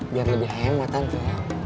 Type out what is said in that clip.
biar lebih hemat tante